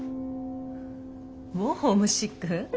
もうホームシック？